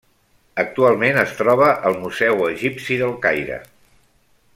Actualment es troba al Museu Egipci del Caire.